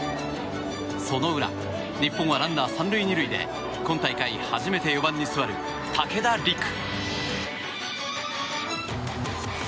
その裏、日本はランナー３塁２塁で今大会、初めて４番に座る武田陸玖。